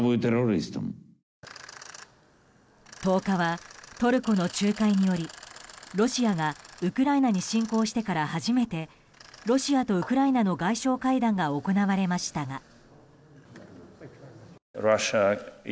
１０日はトルコの仲介によりロシアがウクライナに侵攻してから初めてロシアとウクライナの外相会談が行われましたが。